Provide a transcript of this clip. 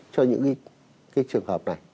cho những cái trường hợp này